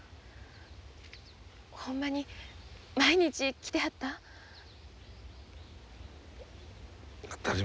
ほんまに毎日来てはったん？